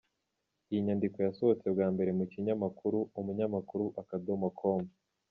Iyi nyandiko yasohotse bwa mbere mu kinyamakuru : umunyamakuru.com